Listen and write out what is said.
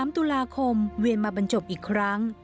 ๓ตุลาคมเวียนมาบรรจบอีกครั้ง